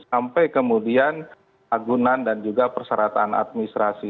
sampai kemudian agunan dan juga perseratan administrasi